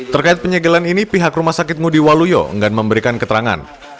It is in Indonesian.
terkait penyegelan ini pihak rumah sakit ngudi waluyo enggan memberikan keterangan